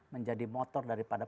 menjadi motor daripada